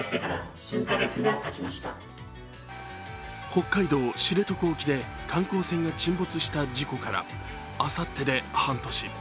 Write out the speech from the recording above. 北海道知床沖で観光船が沈没した事故からあさってで半年。